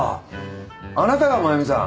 あなたが真由美さん。